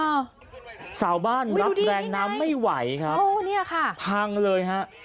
อ้าวสาวบ้านรับแรงน้ำไม่ไหวครับโอ้เนี่ยค่ะพังเลยฮะ